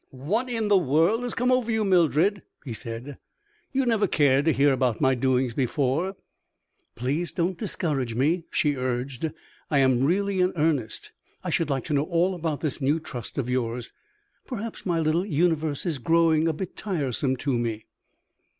"What in the world has come over you, Mildred?" he said. "You never cared to hear about my doings before." "Please don't discourage me," she urged. "I am really in earnest; I should like to know all about this new trust of yours. Perhaps my little universe is growing a bit tiresome to me."